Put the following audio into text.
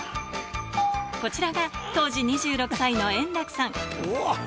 こちらが当時２６歳の円楽さん。